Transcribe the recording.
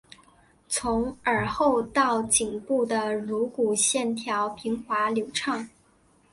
从耳后到颈部的颅骨线条平滑流畅。